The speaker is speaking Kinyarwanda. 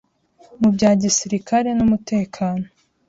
mu bya gisirikare n’umutekano